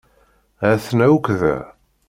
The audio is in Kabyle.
Ha-ten-a akk da.